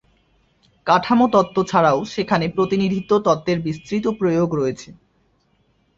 কাঠামো তত্ত্ব ছাড়াও সেখানে প্রতিনিধিত্ব তত্ত্বের বিস্তৃত প্রয়োগ রয়েছে।